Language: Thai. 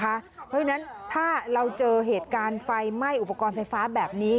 เพราะฉะนั้นถ้าเราเจอเหตุการณ์ไฟไหม้อุปกรณ์ไฟฟ้าแบบนี้